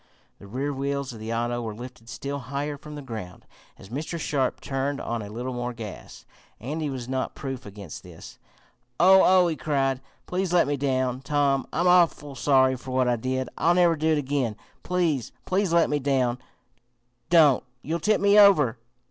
The rear wheels of the auto were lifted still higher from the ground, as Mr. Sharp turned on a little more gas. Andy was not proof against this. "Oh! oh!" he cried. "Please let me down, Tom. I'm awful sorry for what I did! I'll never do it again! Please, please let me down! Don't! You'll tip me over!"